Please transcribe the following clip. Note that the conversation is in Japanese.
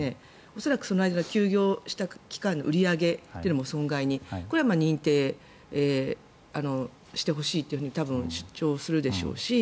恐らくその間休業した期間の売り上げも損害にこれは認定してほしいと多分主張するでしょうし。